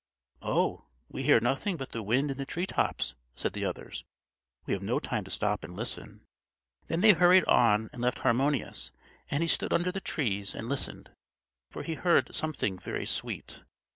"Oh! we hear nothing but the wind in the tree tops," said the others. "We have no time to stop and listen." Then they hurried on and left Harmonius; and he stood under the trees and listened, for he heard something very sweet.